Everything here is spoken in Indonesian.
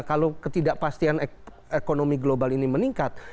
kalau ketidakpastian ekonomi global ini meningkat